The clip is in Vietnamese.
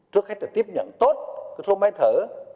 trước hết là tiếp nhận tốt số máy thở